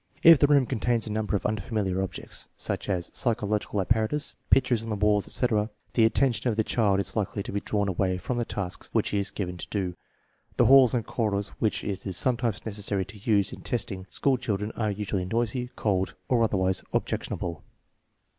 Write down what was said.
If the room contains a number of unfamiliar objects, such as psychological apparatus, pic tures on the walls, etc., the attention of the child is likely to be drawn away from the tasks which he is given to do. The halls and corridors which it is sometimes necessary to use in testing school children are usually noisy, cold, or otherwise objectionable.